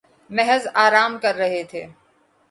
محض آرام کررہے تھے